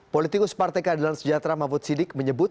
politikus partai keadilan sejahtera mahfud sidik menyebut